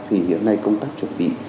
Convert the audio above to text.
thì hiện nay công tác chuẩn bị